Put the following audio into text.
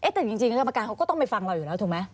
แต่จริงกรรมการเขาก็ต้องไปฟังเราอยู่แล้วถูกไหม